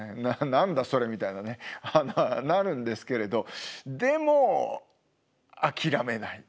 「何だそれ」みたいなねなるんですけれどでも諦めないというかね。